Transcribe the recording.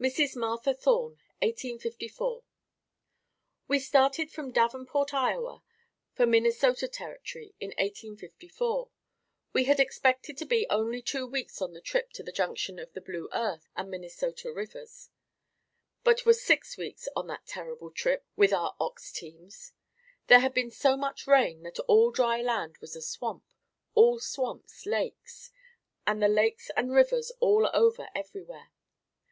Mrs. Martha Thorne 1854. We started from Davenport, Iowa, for Minnesota Territory in 1854. We had expected to be only two weeks on the trip to the junction of the Blue Earth and Minnesota rivers, but were six weeks on that terrible trip with our ox teams. There had been so much rain that all dry land was a swamp, all swamps lakes, and the lakes and rivers all over everywhere.